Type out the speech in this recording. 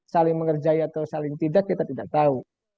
saling mengerjai atau saling tidak kita tidak tahu